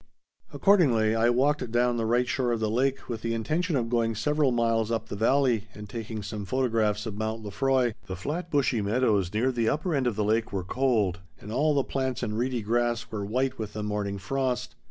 Accordingly I walked down the right shore of the lake with the intention of going several miles up the valley and taking some photographs of Mount Lefroy. The flat bushy meadows near the upper end of the lake were cold, and all the plants and reedy grass were white with the morning frost.